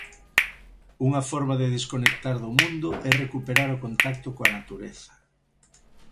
Unha forma de desconectar do mundo e recuperar o contacto coa natureza.